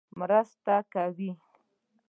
مرسته کوي.